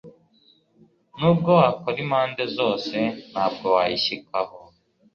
n'iyo wakora impande zose nta bwo wayishyikaho